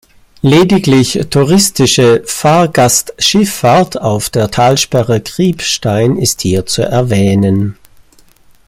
Lediglich touristische Fahrgastschifffahrt auf der Talsperre Kriebstein ist hier zu erwähnen.